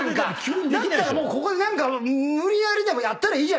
だったらここで無理やりでもやったらいいじゃないっすか。